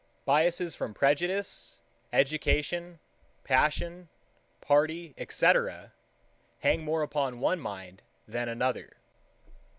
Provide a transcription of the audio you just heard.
8. Byasses from prejudice, education, passion, party, &c. hang more upon one mind than another.